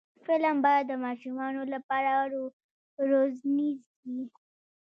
فلم باید د ماشومانو لپاره روزنیز وي